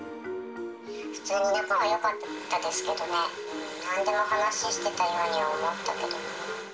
普通に仲はよかったですけどね、なんでも話してたようには思ったけど。